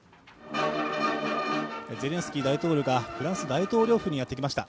ゼレンスキー大統領がフランス大統領府にやってきました。